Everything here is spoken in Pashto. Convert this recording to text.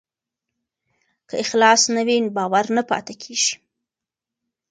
که اخلاص نه وي، باور نه پاتې کېږي.